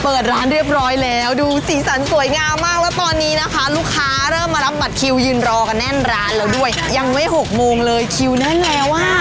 เปิดร้านเรียบร้อยแล้วดูสีสันสวยงามมากแล้วตอนนี้นะคะลูกค้าเริ่มมารับบัตรคิวยืนรอกันแน่นร้านแล้วด้วยยังไม่หกโมงเลยคิวแน่นแล้วอ่ะ